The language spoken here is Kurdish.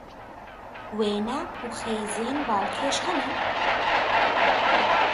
Wêne û xêzên balkêş hene?